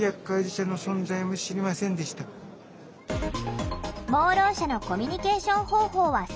盲ろう者のコミュニケーション方法はさまざま。